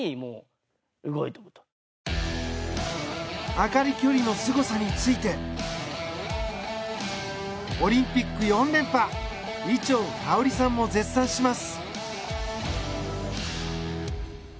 朱理距離のすごさについてオリンピック４連覇伊調馨さんも絶賛します。